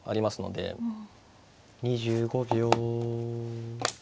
２５秒。